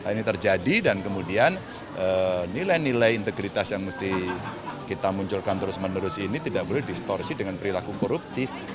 ini terjadi dan kemudian nilai nilai integritas yang mesti kita munculkan terus menerus ini tidak boleh distorsi dengan perilaku koruptif